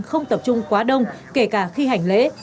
không tập trung quá đông kể cả khi hành lễ